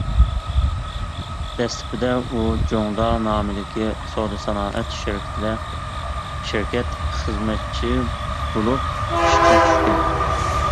دەسلىپىدە ئۇ «جۇڭدا» نامىدىكى سودا سانائەت شىركىتىدە شىركەت خىزمەتچى بولۇپ ئىشقا چۈشكەن.